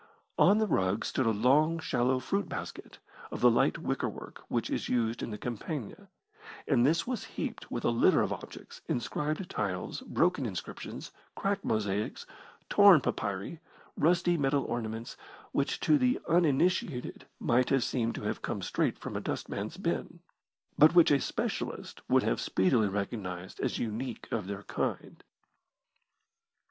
On the rug stood a long, shallow fruit basket of the light wicker work which is used in the Campagna, and this was heaped with a litter of objects, inscribed tiles, broken inscriptions, cracked mosaics, torn papyri, rusty metal ornaments, which to the uninitiated might have seemed to have come straight from a dustman's bin, but which a specialist would have speedily recognized as unique of their kind.